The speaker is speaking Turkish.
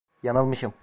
Yanılmışım.